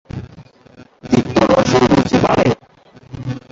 তিক্ত রসে রুচি বাড়ে।